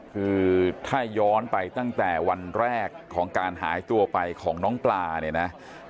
คือถ้าย้อนไปตั้งแต่วันแรกของการหายตัวไปของน้องปลาเนี่ยนะ